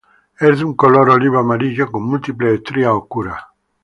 Es de un color oliva amarillo, con múltiples estrías oscuras.